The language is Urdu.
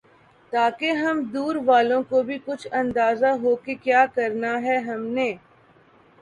تاکہ ہم دور والوں کو بھی کچھ اندازہ ہوکہ کیا کرنا ہے ہم نے